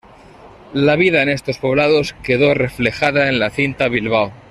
La vida en estos poblados quedó reflejada en la cinta "¿Bilbao?